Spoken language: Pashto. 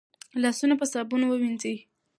لاسونه په صابون ووينځئ